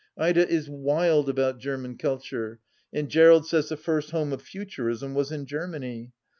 Ida is wild about German culture, and Gerald says the first home of Futurism was in Germany.